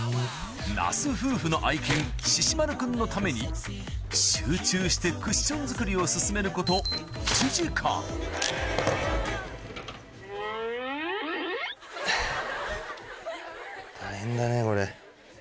那須夫婦の愛犬ししまるくんのために集中してクッション作りを進めることはぁ。